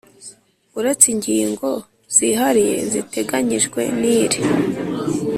Uretse ingingo zihariye ziteganyijwe n iri